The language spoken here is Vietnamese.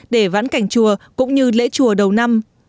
để vãn cảnh chùa cũng như lễ chùa đầu năm